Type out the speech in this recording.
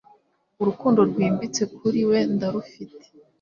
Urukundo rwimbitse kuri we ndarufite